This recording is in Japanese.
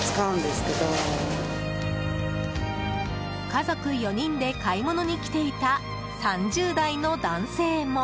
家族４人で買い物に来ていた３０代の男性も。